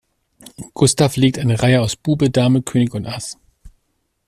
Gustav legt eine Reihe aus Bube, Dame König und Ass.